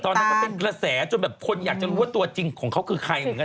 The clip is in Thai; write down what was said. ตอนนั้นก็เป็นกระแสจนแบบคนอยากจะรู้ว่าตัวจริงของเขาคือใครเหมือนกัน